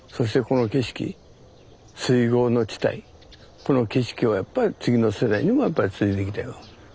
この景色水郷の地帯この景色をやっぱり次の世代にもやっぱりつないでいきたいなと。